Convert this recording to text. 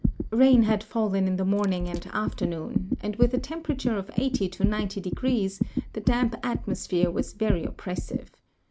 Rain had fallen in the morning and afternoon, and with a temperature of 80® to 90° the damp atmosphere was very op pressive.